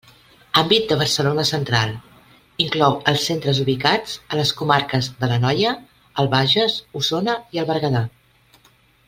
Àmbit de Barcelona Central: inclou els centres ubicats a les comarques de l'Anoia, el Bages, Osona i el Berguedà.